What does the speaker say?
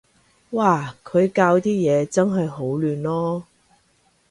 嘩，佢校啲嘢真係好亂囉